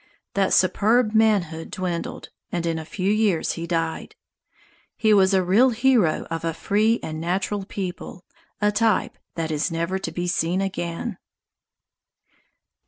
That superb manhood dwindled, and in a few years he died. He was a real hero of a free and natural people, a type that is never to be seen again.